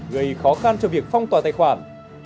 gây khó khăn cho việc phong tỏa tài khoản